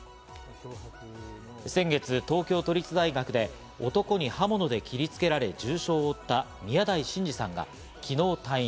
先月、東京都立大学で男に刃物で切りつけられ重傷を負った、宮台真司さんが昨日退院。